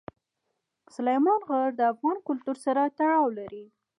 سلیمان غر د افغان کلتور سره تړاو لري.